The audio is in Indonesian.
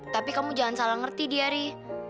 tapi kamu jangan salah ngerti diari